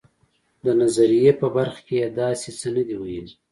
د نظریې په برخه کې داسې څه نه دي ویلي.